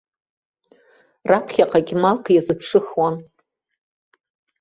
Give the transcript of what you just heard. Раԥхьаҟагь малк иазыԥшыхуан.